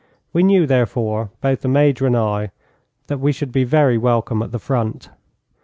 We knew, therefore, both the Major and I, that we should be very welcome at the front.